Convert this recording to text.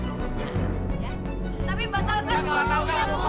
tapi batalkan ibu